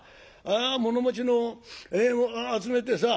物持ちを集めてさ